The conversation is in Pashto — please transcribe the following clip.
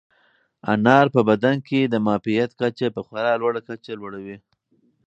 انار په بدن کې د معافیت کچه په خورا لوړه کچه لوړوي.